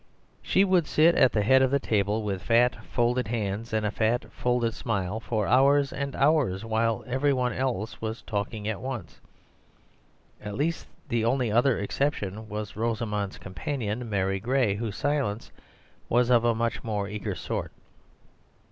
She would sit at the head of the table with fat, folded hands and a fat, folded smile for hours and hours, while every one else was talking at once. At least, the only other exception was Rosamund's companion, Mary Gray, whose silence was of a much more eager sort.